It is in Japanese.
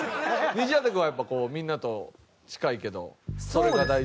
西畑くんはやっぱみんなと近いけどそれが大事？